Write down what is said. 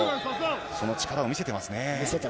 その力を見せていますね。